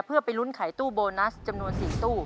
เพื่อไปลุ้นไขตู้โบนัสจำนวน๔ตู้